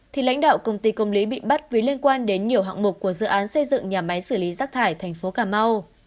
thì lãnh đạo công ty công lý bị bắt vì liên quan đến nhiều hạng mục của dự án xây dựng nhà máy xử lý rác thải thành phố cà mau